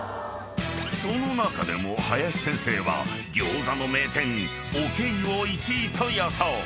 ［その中でも林先生は餃子の名店おけ以を１位と予想］